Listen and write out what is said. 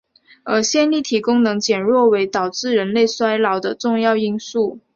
而线粒体功能减弱为导致人类衰老的重要因素。